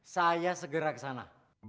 saya segera kesana